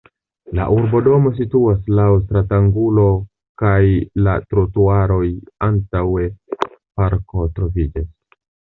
La urbodomo situas laŭ stratangulo laŭ la trotuaroj, antaŭe parko troviĝas.